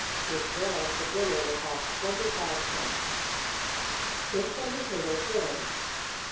With bread the dinner will cost twenty five cents. =Fish and Potato Pudding.